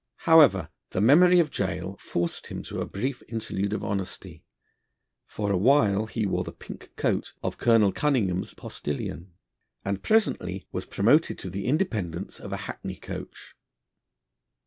However, the memory of gaol forced him to a brief interlude of honesty; for a while he wore the pink coat of Colonel Cunningham's postillion, and presently was promoted to the independence of a hackney coach.